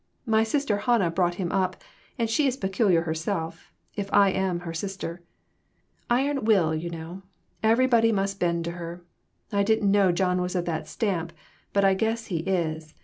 My sister Hannah brought him up, and she is peculiar herself, if I am her sister. Iron will, you know; everybody must bend to her ; I didn't know John was of that stamp, but I guess he is.